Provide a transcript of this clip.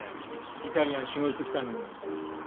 イタリアン修業してきたのに。